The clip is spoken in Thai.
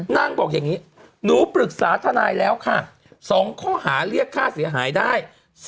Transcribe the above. นางบอกอย่างนี้หนูปรึกษาทนายแล้วค่ะ๒ข้อหาเรียกค่าเสียหายได้